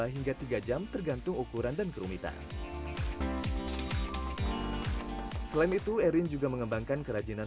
hingga tiga jam tergantung ukuran dan kerumitan selain itu erin juga mengembangkan kerajinan